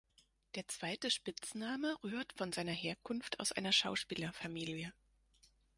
Der zweite Spitzname rührt von seiner Herkunft aus einer Schauspielerfamilie.